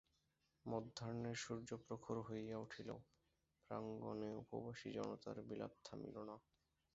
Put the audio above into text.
মধ্যাহ্নের সূর্য প্রখর হইয়া উঠিল, প্রাঙ্গণে উপবাসী জনতার বিলাপ থামিল না।